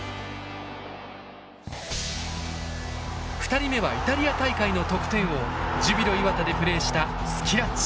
２人目はイタリア大会の得点王ジュビロ磐田でプレーしたスキラッチ。